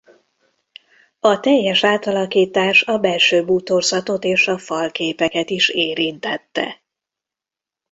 A teljes átalakítás a belső bútorzatot és a falképeket is érintette.